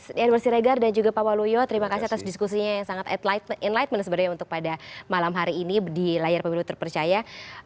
mas enwar siregar dan juga pak waluyo terima kasih atas diskusinya yang sangat enlightenment sebenarnya untuk pada malam hari ini di layar pemilu terpercaya